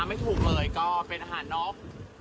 ไม่ถูกเลยก็เป็นอาหารนก